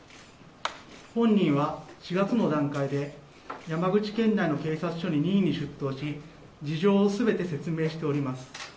本人は４月の段階で山口県内の警察署に任意に出頭し事情を全て説明しております。